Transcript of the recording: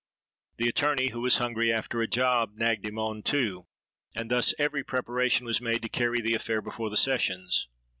The attorney, who was hungry after a job, nagged him on, too; and thus every preparation was made to carry the affair before the Sessions.